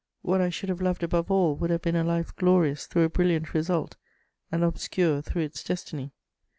What I should have loved above all would have been a life glorious through a brilliant result, and obscure through its destiny.